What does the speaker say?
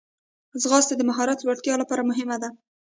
ځغاسته د مهارت لوړتیا لپاره مهمه ده